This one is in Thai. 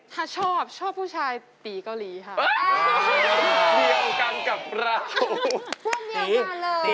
ถ้าชอบชอบผู้ชายตีเกาหลีค่ะรูปเดียวกันกับเราช่วงเดียวกันเลย